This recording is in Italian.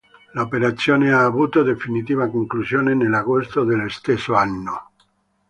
L'operazione ha avuto definitiva conclusione nell'agosto dello stesso anno.